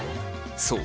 そう。